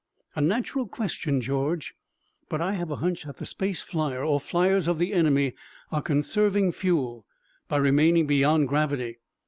"A natural question, George. But I have a hunch that the space flier or fliers of the enemy are conserving fuel by remaining beyond gravity.